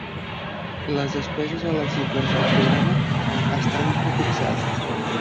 Les despeses elegibles del programa estan prefixades.